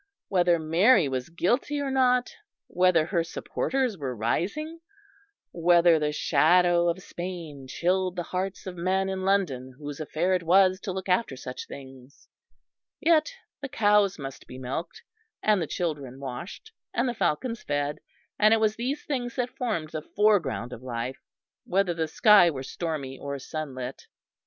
Whether Mary was guilty or not, whether her supporters were rising, whether the shadow of Spain chilled the hearts of men in London whose affair it was to look after such things; yet the cows must be milked, and the children washed, and the falcons fed; and it was these things that formed the foreground of life, whether the sky were stormy or sunlit.